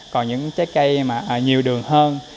còn những trái cây nhiều đường hơn